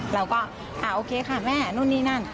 เราก็อ่าโอเคค่ะแม่นู่นนี่นั่น